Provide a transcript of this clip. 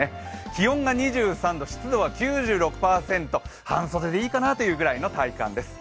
気温が２３度、湿度は９６％、半袖でいいかなというくらいの体感です。